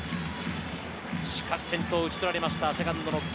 しかし先頭打ち取られました。